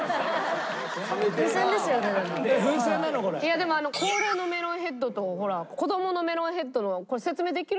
でも高齢のメロンヘッドとほら子どものメロンヘッドの説明できる？